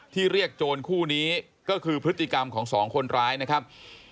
เรียกโจรคู่นี้ก็คือพฤติกรรมของสองคนร้ายนะครับ